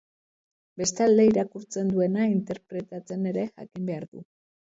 Bestalde, irakurtzen duena interpretatzen ere jakin behar du.